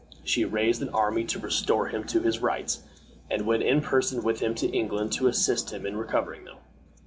She raised an army to restore him to his rights, and went in person with him to England to assist him in recovering them.